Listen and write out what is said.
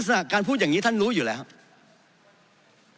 ลักษณะการพูดอย่างนี้ท่านรู้อยู่แล้วครับ